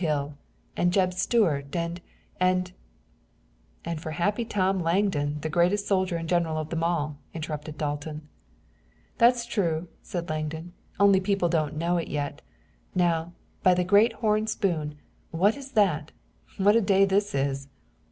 Hill and Jeb Stuart and and " "And for Happy Tom Langdon, the greatest soldier and general of them all," interrupted Dalton. "That's true," said Langdon, "only people don't know it yet. Now, by the great horn spoon, what is that? What a day this is!"